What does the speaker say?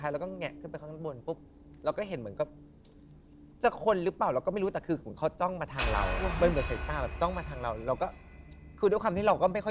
แลับเราก็เอ๋จใจ